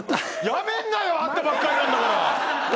辞めんなよ会ったばっかりなんだから！